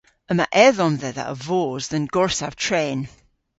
Yma edhom dhedha a vos dhe'n gorsav tren.